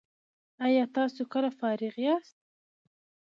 ایا تاسو کله فارغ یاست؟